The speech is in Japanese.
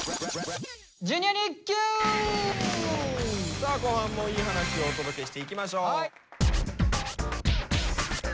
さあ後半もいい話をお届けしていきましょう。